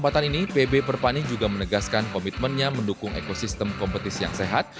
kini pb perpani juga menegaskan komitmennya mendukung ekosistem kompetisi yang sehat